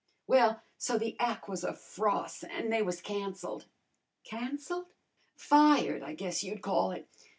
Well, so the ac' was a fros', an' they was cancelled." "Cancelled?" "Fired, I guess you'd call it.